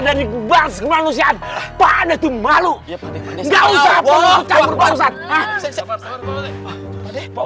dari kebangsaan manusia pada itu malu ya pak